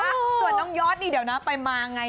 ส่วนน้องยอดนี่เดี๋ยวนะไปมาไง